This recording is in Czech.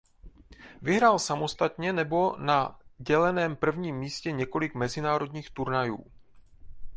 Vyhrál samostatně nebo na děleném prvním místě několik mezinárodních turnajů.